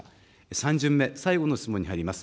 ３巡目、最後の質問に入ります。